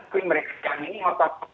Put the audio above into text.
tapi mereka yang ini otot